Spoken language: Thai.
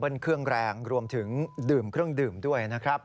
เครื่องแรงรวมถึงดื่มเครื่องดื่มด้วยนะครับ